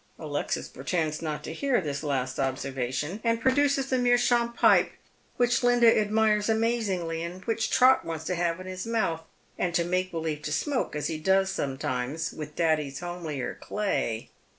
Alexis pretends not to hear this last observation, and produces the meerschaum pipe, which Linda admires amazingly, and which Trot wants to have in his mouth and to make believe to smoke, as he does sometimes with daddie's homelier clay.